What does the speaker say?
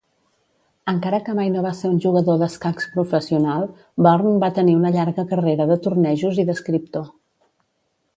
Encara que mai no va ser un jugador d'escacs professional, Burn va tenir una llarga carrera de tornejos i d'escriptor.